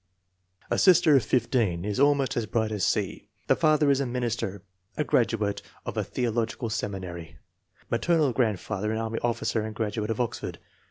A sister of 15 is almost as bright as C. The father is a minister, a graduate of a theological seminary. Ma ternal grandfather an army officer and graduate of Oxford.